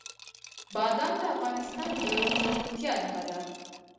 بادام د افغانستان د زرغونتیا نښه ده.